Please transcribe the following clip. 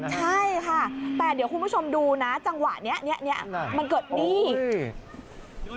ใช่ค่ะแต่เดี๋ยวคุณผู้ชมดูนะจังหวะมันเกิดอีก